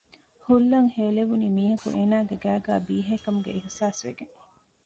ހުލް އަށް ހޭލެވުނީ މީހަކު އޭނާގެ ގައިގައި ބީހޭ ކަމުގެ އިހުސާސްވެގެން